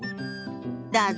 どうぞ。